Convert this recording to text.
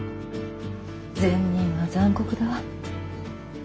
善人は残酷だ。